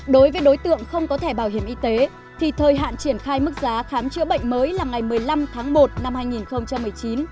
đối với đối tượng không có thẻ bảo hiểm y tế thì thời hạn triển khai mức giá khám chữa bệnh mới là ngày một mươi năm tháng một năm hai nghìn một mươi chín